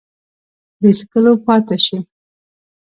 بې څکلو پاته شي